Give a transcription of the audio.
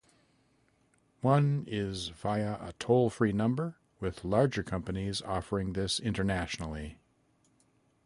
One is via a toll-free number, with larger companies offering this internationally.